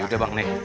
yaudah bang nih